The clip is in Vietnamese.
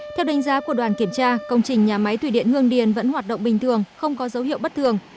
theo đánh giá của đoàn kiểm tra công trình nhà máy thủy điện hương điền vẫn hoạt động bình thường không có dấu hiệu bất thường